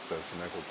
ここ。